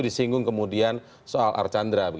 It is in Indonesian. disinggung kemudian soal arkanra